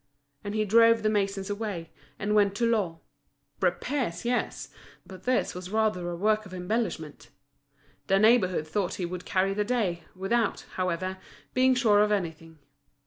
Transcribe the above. And he drove the masons away, and went to law. Repairs, yes! but this was rather a work of embellishment. The neighbourhood thought he would carry the day, without, however, being sure of anything.